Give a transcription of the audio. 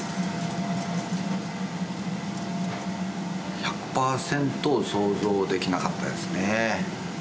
１００％想像できなかったですね。